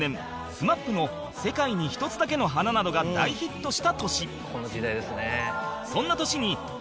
ＳＭＡＰ の『世界に一つだけの花』などが大ヒットした年